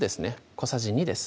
小さじ２です